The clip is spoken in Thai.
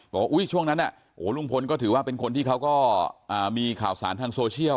ช่วงนั้นลุงพลก็ถือว่าเป็นคนที่เขาก็มีข่าวสารทางโซเชียล